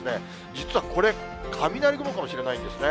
実はこれ、雷雲かもしれないんですね。